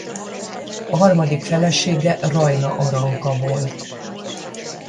Harmadik felesége Rajna Aranka volt.